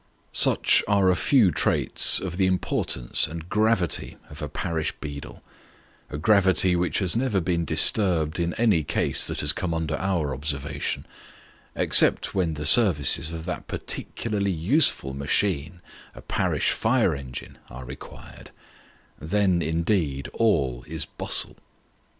Such are a few traits of the importance and gravity of a parish beadle a gravity which has never been disturbed in any case that lias come under our observation, except when the services of that particularly useful machine, a parish fire engine, are required : then indeed all is bustle.